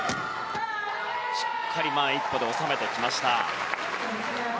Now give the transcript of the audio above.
しっかり前１歩で収めました。